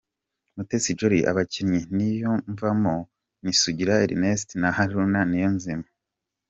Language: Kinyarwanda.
Mutesi Jolly: Abakinnyi niyumvamo, ni Sugira Ernest na Haruna Niyonzima.